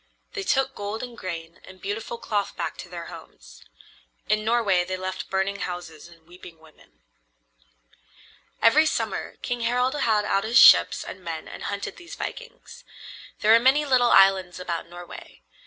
They took gold and grain and beautiful cloth back to their homes. In Norway they left burning houses and weeping women. Every summer King Harald had out his ships and men and hunted these vikings. There are many little islands about Norway.